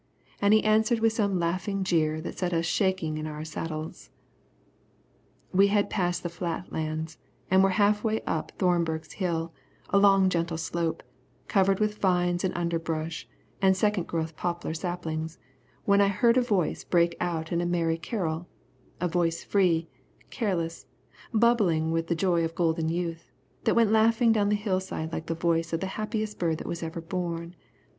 And he answered with some laughing jeer that set us shaking in our saddles. We had passed the flat lands, and were half way up Thornberg's Hill, a long gentle slope, covered with vines and underbrush and second growth poplar saplings, when I heard a voice break out in a merry carol, a voice free, careless, bubbling with the joy of golden youth, that went laughing down the hillside like the voice of the happiest bird that was ever born.